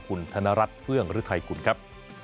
คุณธนรัชเฟื้องรึไทยคุณครับ